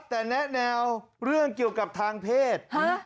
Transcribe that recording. แต่แนะแนวเรื่องเกี่ยวกับทางเพศ